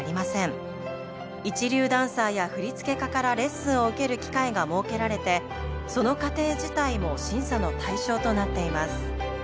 一流ダンサーや振付家からレッスンを受ける機会が設けられてその過程自体も審査の対象となっています。